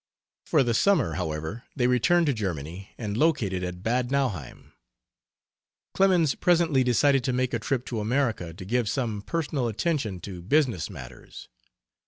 For the summer, however, they returned to Germany, and located at Bad Nauheim. Clemens presently decided to make a trip to America to give some personal attention to business matters.